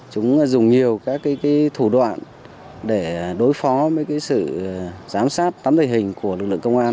chúng dùng nhiều các thủ đoạn để đối phó với sự giám sát tấm thể hình của lực lượng công an